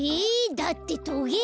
だってトゲが。